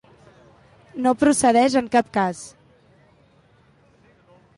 No procedeix en cap cas.